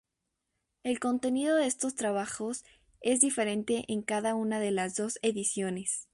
El contenido de estos trabajos es diferente en cada una de las dos ediciones.